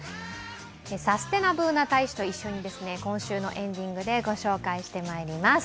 サステナＢｏｏｎａ大使と一緒に、今週のエンディングで紹介していきます。